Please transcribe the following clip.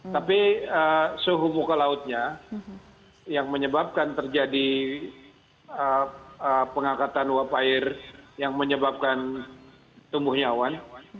tapi suhu muka lautnya yang menyebabkan terjadi pengangkatan uap air yang menyebabkan tumbuhnya awan